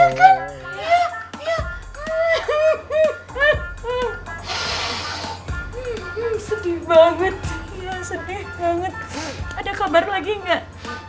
sedih banget sedih banget ada kabar lagi nggak